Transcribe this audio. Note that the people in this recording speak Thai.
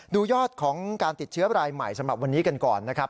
ยอดของการติดเชื้อรายใหม่สำหรับวันนี้กันก่อนนะครับ